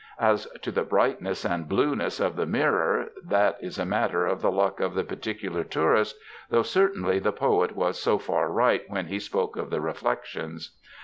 As to the '' brightness ^^ and '' blueness ^^ of the mirror, that is a matter of the luck of the particular toiurist, though certainly the poet was so far right when he spoke of the reflections.